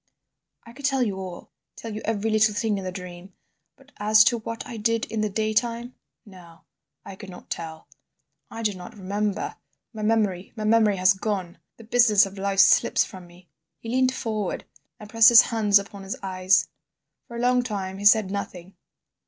"I could tell you all, tell you every little thing in the dream, but as to what I did in the daytime—no. I could not tell—I do not remember. My memory—my memory has gone. The business of life slips from me—" He leant forward, and pressed his hands upon his eyes. For a long time he said nothing.